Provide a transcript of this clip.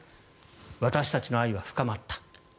私たちの愛は深まった。